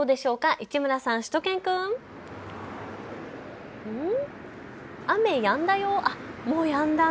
市村さん、しゅと犬くん。